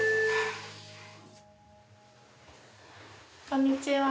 こんにちは。